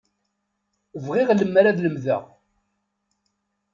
Bɣiɣ lemmer ad lemdeɣ.